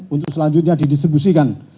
untuk selanjutnya didistribusikan